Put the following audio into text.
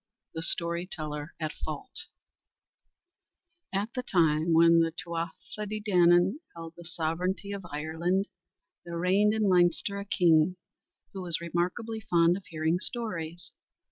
The Story Teller at Fault At the time when the Tuatha De Danann held the sovereignty of Ireland, there reigned in Leinster a king, who was remarkably fond of hearing stories.